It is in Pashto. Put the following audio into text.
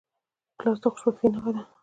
ګیلاس د خوشبختۍ نښه ده.